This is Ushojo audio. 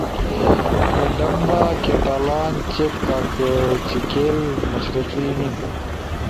میڈمبا، کیٹالان، چیک، کاکچیکیل، مشرقی میِن